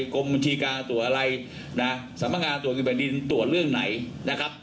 กรมบัญชีการตรวจอะไรนะสำนักงานตรวจเงินแผ่นดินตรวจเรื่องไหนนะครับ